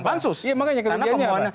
pansus iya makanya kerugiannya apa